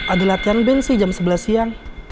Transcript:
ada latihan ben sih jam sebelas siang